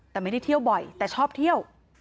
แต่ไม่ได้เที่ยวบ่อยแต่ชอบเที่ยว